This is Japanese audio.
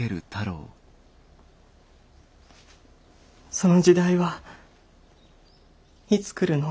その時代はいつ来るの？